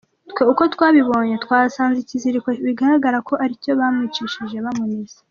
Twe uko twabibonye, twahasanze ikiziriko bigaragara ko ari cyo bamwicishije bamunize”.